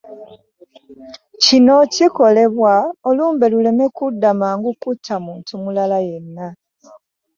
Kino kikolebwa olumbe luleme kudda mangu kutta muntu mulala yenna.